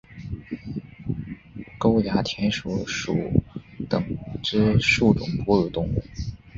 沟牙田鼠属等之数种哺乳动物。